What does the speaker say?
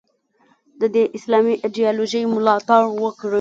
د دې اسلامي ایدیالوژۍ ملاتړ وکړي.